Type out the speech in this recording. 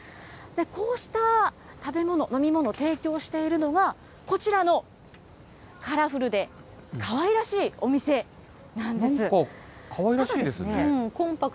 こうした食べ物、飲み物、提供しているのが、こちらのカラフルでかわいらしいですね。